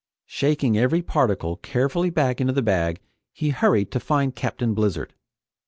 Shaking every particle carefully back into the bag, he hurried to find Captain Blizzard.